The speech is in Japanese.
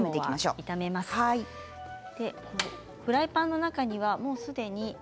フライパンの中にはもうすでに。